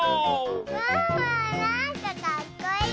ワンワンなんかかっこいい！